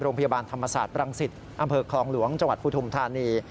โรงพยาบาลธรรมศาสตร์บรังสิตอำเภอคลองหลวงจังหวัดปฐุมธานี